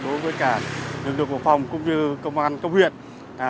đối với cả lực lượng của phòng cũng như công an công huyện